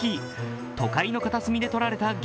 都会の片隅で撮られた激